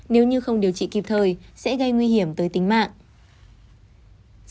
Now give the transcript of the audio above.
nếu như không điều trị kịp thời sẽ gây nguy hiểm tới tính mạng